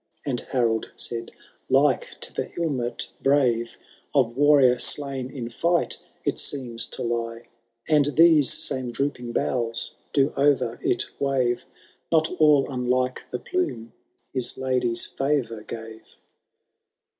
^* And Harold said, <« Like to the hehnet brave Of warrior slain in fight it seems to lie, And these same drooping boughs do o*er it wave Not all unlike the plume iiis lady*s fiivour gave."